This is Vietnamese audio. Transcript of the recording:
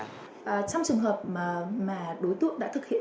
trong trường hợp mà đối tượng đã thực hiện